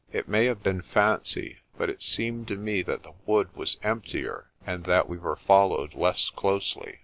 It may have been fancy, but it seemed to me that the wood was emptier and that we were followed less closely.